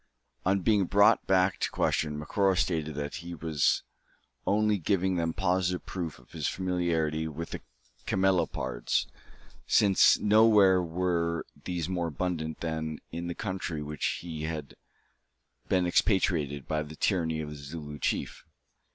On being brought back to the question, Macora stated that he was only giving them positive proof of his familiarity with the camelopards, since nowhere were these more abundant than in the country from which he had been expatriated by the tyranny of the Zooloo chief.